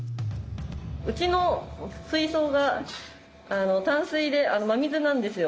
うちの水槽が淡水で真水なんですよ。